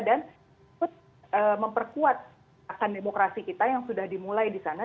dan memperkuat akan demokrasi kita yang sudah dimulai di sana